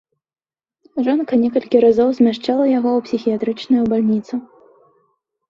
Жонка некалькі разоў змяшчала яго ў псіхіятрычную бальніцу.